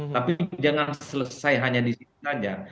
tapi jangan selesai hanya disini saja